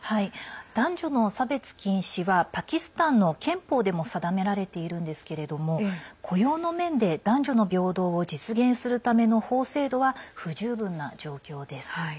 男女の差別禁止はパキスタンの憲法でも定められているんですけれども雇用の面で男女の平等を実現するための法制度は不十分な状況です。